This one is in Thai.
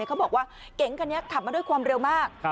เขาบอกว่าเก๋งคันนี้ขับมาด้วยความเร็วมาก